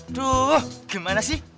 aduh gimana sih